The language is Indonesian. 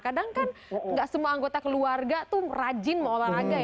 kadang kan gak semua anggota keluarga tuh rajin mau olahraga ya